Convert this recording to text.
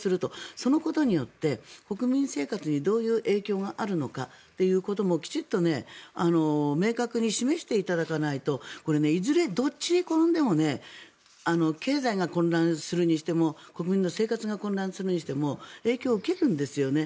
そのことによって国民生活にどういう影響があるのかということもきちんと明確に示していただかないとこれ、いずれどっちに転んでも経済が混乱するにしても国民の生活が混乱するにしても影響を受けるんですよね。